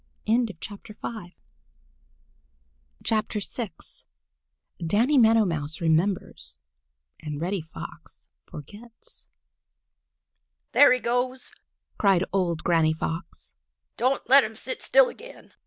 VI DANNY MEADOW MOUSE REMEMBERS AND REDDY FOX FORGETS "THERE he goes!" cried old Granny Fox. "Don't let him sit still again!"